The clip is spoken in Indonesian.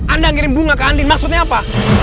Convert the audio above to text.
anda ngirim bunga ke andin maksudnya apa